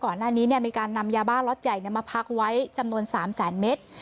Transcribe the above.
ก่อนหน้านี้มีการนำยาบ้าล็อตใหญ่มาพักไว้จำนวน๓แสนเมตร